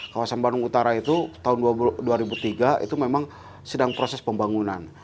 kawasan bandung utara itu tahun dua ribu tiga itu memang sedang proses pembangunan